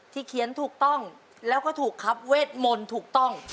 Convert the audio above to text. เขียนถูกต้องแล้วก็ถูกครับเวทมนต์ถูกต้อง